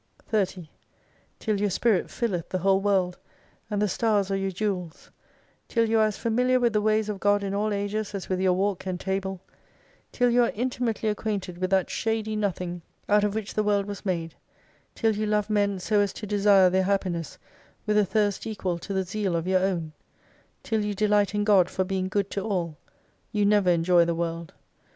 30 Till your spirit filleth the whole world, and the stars arc your jewels ; till you arc as familiar with the ways of God in all Ages as with your walk and table : till you arc intimately acquainted with that shady nothing out of 20 which the world was made : till you love men so as to desire their happiness, with a thirst equal to the zeal of your own : till you delight in God for being good to all : you never enjoy the world.